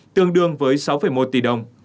tương đương với sáu một tỷ đồng